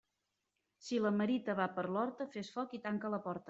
Si la merita va per l'horta, fes foc i tanca la porta.